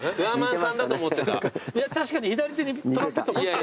いや確かに左手にトランペット持ってたよね。